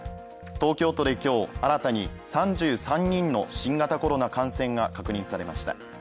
東京都で今日、新たに３３人の新型コロナ感染が確認されました。